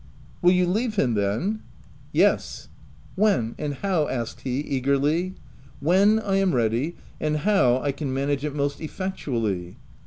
" Will you leave him then !"" Yes." 40 THE TENANT " When — and how ?" asked he, eagerly. " When I am ready, and how I can manage it most effectually."